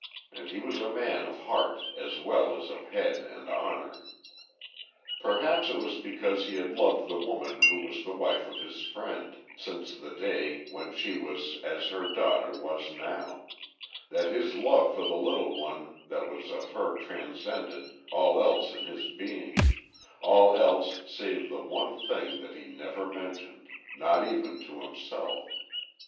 And he was a man of heart, as well as of head, and honor. Perhaps it was because he had loved the woman who was the wife of his friend, since the day when she was as her daughter was now; that his love for the little one that was of her transcended all else in his being all else save the one thing that he never mentioned, not even to himself.